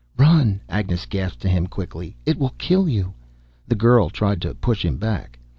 "Run!" Agnes gasped to him, quickly. "It will kill you!" The girl tried to push him back.